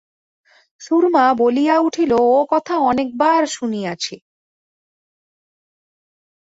সুরমা বলিয়া উঠিল, ও-কথা অনেক বার শুনিয়াছি।